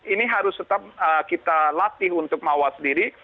ini harus tetap kita latih untuk mawas diri